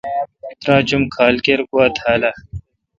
تراچ ام کھال کیر گواتھال اہ۔